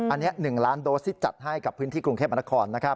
อันนี้๑ล้านโดสที่จัดให้กับพื้นที่กรุงเทพมนคร